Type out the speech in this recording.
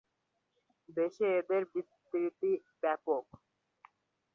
দেশে এদের বিস্তৃতি ব্যাপক।